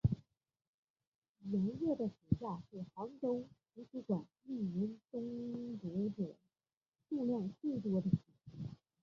炎热的暑期是杭州图书馆一年中读者数量最多的时期。